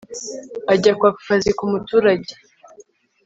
ajya kwaka akazi ku muturage